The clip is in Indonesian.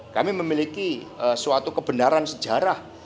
kami memiliki suatu kebenaran sejarah